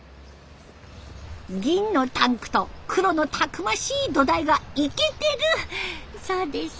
銀のタンクと黒のたくましい土台がイケてるそうです。